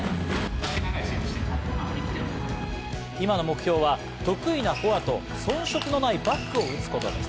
今の目標は得意のフォアと遜色のないバックを打つことです。